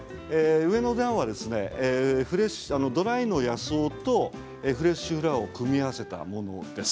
上の段はドライの野草とフレッシュフラワーを組み合わせたものです。